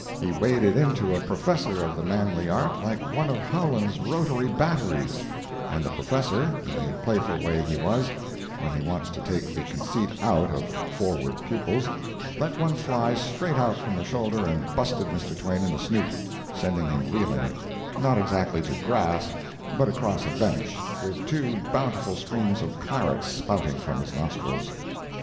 He waded into a professor of the "manly art" like one of Howlan's rotary batteries, and the professor, in a playful way he has, when he wants to take the conceit out of forward pupils, let one fly straight out from the shoulder and "busted" Mr. Twain in the "snoot," sending him reeling—not exactly to grass, but across a bench—with two bountiful streams of "claret" spouting from his nostrils.